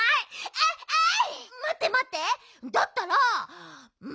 あいあい。